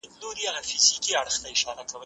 زه به اوږده موده کتابونه ليکلي وم،